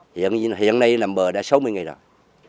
hiện nay nằm bờ đã sáu mươi ngày rồi